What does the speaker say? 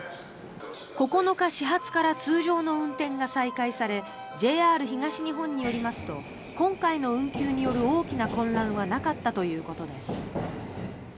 ９日始発から通常の運転が再開されＪＲ東日本によりますと今回の運休による大きな混乱はなかったということです。